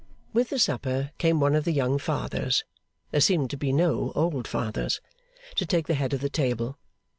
With the supper came one of the young Fathers (there seemed to be no old Fathers) to take the head of the table.